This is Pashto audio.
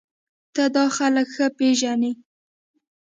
ته دا خلک ښه پېژنې